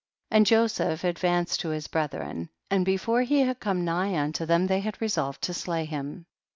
24. And Joseph advanced to his brethren, and before he had come nigh unto them, they had resolved to slay him.